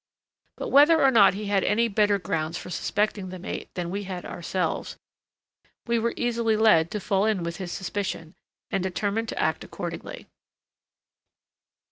But whether or not he had any better grounds for suspecting the mate than we had ourselves, we were easily led to fall in with his suspicion, and determined to act accordingly.